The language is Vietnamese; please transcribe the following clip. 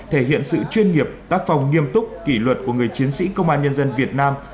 thể hiện sự chuyên nghiệp tác phòng nghiêm túc kỷ luật của người chiến sĩ công an nhân dân việt nam